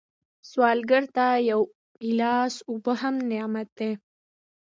سوالګر ته یو ګیلاس اوبه هم نعمت دی